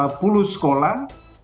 dan ternyata diikuti oleh sepuluh sekolah